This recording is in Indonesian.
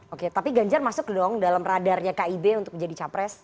oke tapi ganjar masuk dong dalam radarnya kib untuk menjadi capres